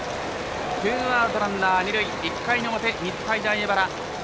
ツーアウト、ランナー二塁１回の表、日体大荏原。